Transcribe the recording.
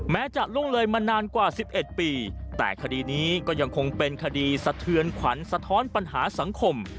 จะล่วงเลยมานานกว่า๑๑ปีแต่คดีนี้ก็ยังคงเป็นคดีสะเทือนขวัญสะท้อนปัญหาสังคม